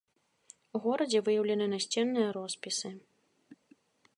У горадзе выяўлены насценныя роспісы.